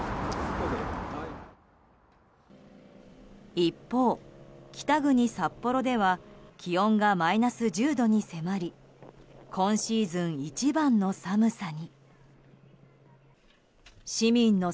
一方、北国・札幌では気温がマイナス１０度に迫り今シーズン一番の寒さに。